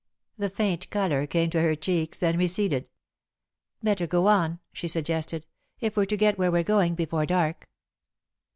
The faint colour came to her cheeks, then receded. "Better go on," she suggested, "if we're to get where we're going before dark."